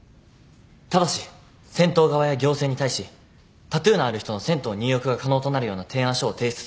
ただし銭湯側や行政に対しタトゥーのある人の銭湯入浴が可能となるような提案書を提出するなど依頼人の代理人として